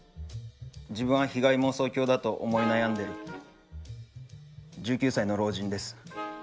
自分は被害妄想狂だと思い悩んでる１９歳の老人です。